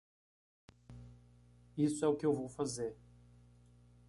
Isso é o que eu vou fazer.